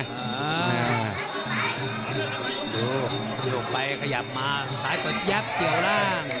ดูโดยไปขยับมาสายต้นยับเกี่ยวล่าง